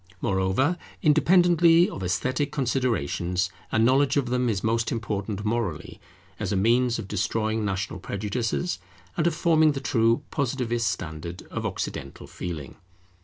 Moreover, independently of esthetic considerations, a knowledge of them is most important morally, as a means of destroying national prejudices, and of forming the true Positivist standard of Occidental feeling.